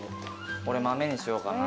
俺豆にしようかな。